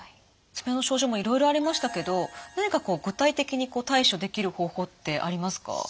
爪の症状もいろいろありましたけど何かこう具体的に対処できる方法ってありますか？